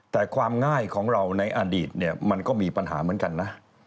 แต่ความง่ายของเราในอดีตเนี่ยมันก็มีปัญหาเหมือนกันนะ